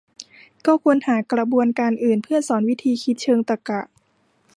ก็ควรหากระบวนการอื่นเพื่อสอนวิธีคิดเชิงตรรกะ